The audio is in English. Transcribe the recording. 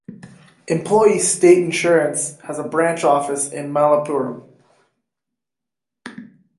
Employees' State Insurance has a branch office in Malappuram.